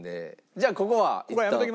じゃあここはいったん。